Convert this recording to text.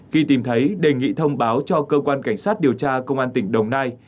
khi tìm thấy đề nghị thông báo cho cơ quan cảnh sát điều tra công an tỉnh đồng nai